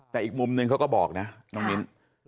แต่อีกมุมนึงเขาก็บอกนะน้องมิ้น